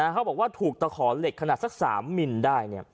เขาบอกว่าถูกตะขอเหล็กขนาดสัก๓มิลได้